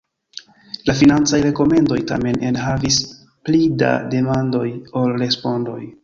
La financaj rekomendoj tamen enhavis pli da demandoj ol respondoj.